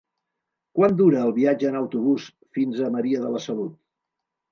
Quant dura el viatge en autobús fins a Maria de la Salut?